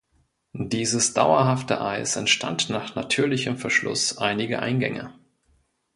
Dieses dauerhafte Eis entstand nach natürlichem Verschluss einiger Eingänge.